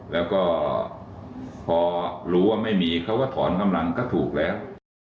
แล้วก็พอรู้ว่าไม่มีเขาก็ถอนกำลังก็ถูกแล้ว